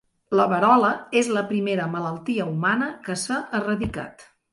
La verola és la primera malaltia humana que s'ha erradicat.